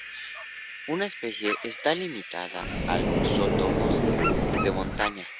Una especie está limitada al sotobosque de montaña.